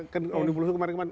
nah kan unibus lo kemarin kemarin